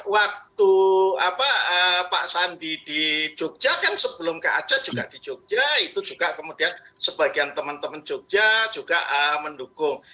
waktu pak sandi di jogja kan sebelum ke aceh juga di jogja itu juga kemudian sebagian teman teman jogja juga mendukung